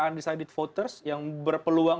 undecided voters yang berpeluang